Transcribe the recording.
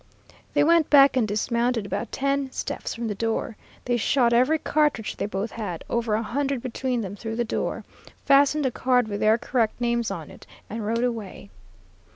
"They went back and dismounted about ten steps from the door. They shot every cartridge they both had, over a hundred between them, through the door, fastened a card with their correct names on it, and rode away.